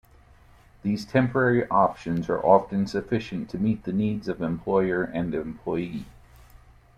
These temporary options are often sufficient to meet the needs of employer and employee.